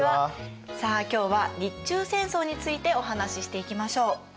さあ今日は「日中戦争」についてお話ししていきましょう。